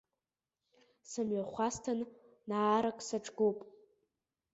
Сымҩахәасҭан наарак саҿгоуп.